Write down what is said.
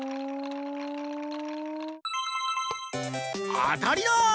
あたりだ！